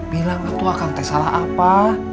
bilang aku akan teh salah apa